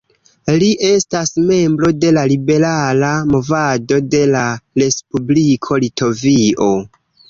Li estas membro de la Liberala Movado de la Respubliko Litovio.